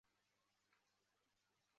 白脉韭是葱科葱属的变种。